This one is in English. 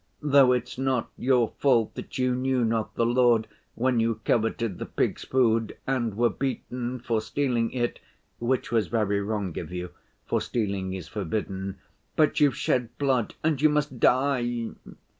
Though it's not your fault that you knew not the Lord, when you coveted the pigs' food and were beaten for stealing it (which was very wrong of you, for stealing is forbidden); but you've shed blood and you must die.